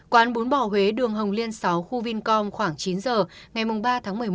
quán bún bò huế đường hồng liên sáu khu vincom khoảng chín giờ ngày ba tháng một mươi một